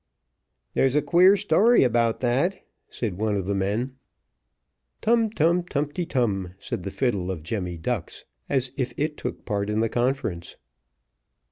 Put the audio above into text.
"There's a queer story about that," said one of the men. Tum tum, tumty tum said the fiddle of Jemmy Ducks, as if it took part in the conference.